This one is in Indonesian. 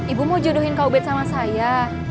ibu mau jodohin kak ubed sama saya